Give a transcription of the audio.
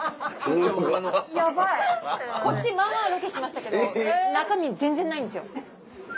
ヤバいこっちまぁまぁロケしましたけど中身全然ないんですよ。